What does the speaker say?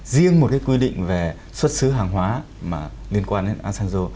riêng một quy định về xuất xứ hàng hóa liên quan đến asanzo